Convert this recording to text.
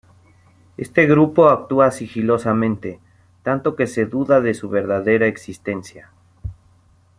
Este grupo actúa sigilosamente, tanto que se duda de su verdadera existencia.